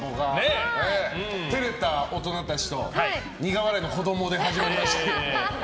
照れた大人たちと苦笑いの子供で始まりましたけど。